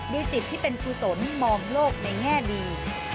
ดีจิตที่เป็นผู้สนมองโลกในแง่ดี